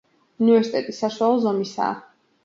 უნივერსიტეტი საშუალო ზომისაა.